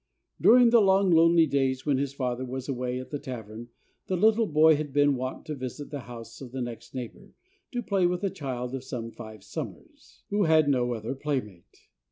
During the long lonely days when his father was away at the tavern the little boy had been wont to visit the house of the next neighbor, to play with a child of some five summers, who had no other playmate.